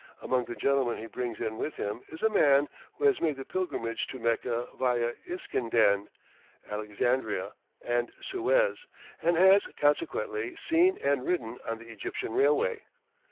Among the gentlemen he brings in with him is a man who has made the pilgrimage to Mecca via "Iskenderi" (Alexandria) and Suez, and has, consequently, seen and ridden on the Egyptian railway.